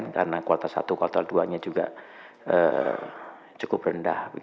karena kuartal satu kuartal dua nya juga cukup rendah